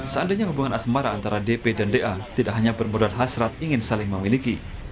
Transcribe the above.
seandainya hubungan asmara antara dp dan da tidak hanya bermudar hasrat ingin saling memiliki